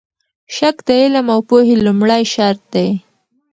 شک د علم او پوهې لومړی شرط دی.